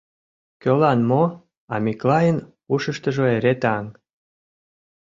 — Кӧлан мо, а Миклайын ушыштыжо эре таҥ.